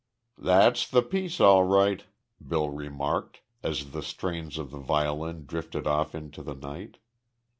"That's the piece, all right," Bill remarked, as the strains of the violin drifted off into the night.